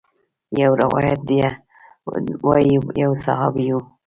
يو روايت ديه وايي يو صحابي و.